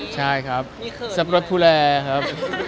สับปะรดพูแรครับ